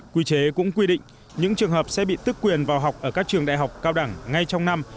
quy chế cũng quy định những trường hợp sẽ bị tức quyền vào học ở các trường đại học cao đẳng ngay trong năm